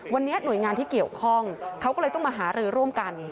วันนี้หน่วยงานที่เกี่ยวข้องเขาก็เลยต้องมาหารือร่วมกัน